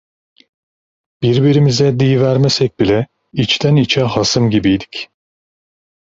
Birbirimize diyivermesek bile, içten içe hasım gibiydik.